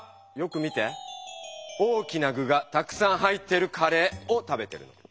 「大きな具がたくさん入ってるカレー」を食べてるの。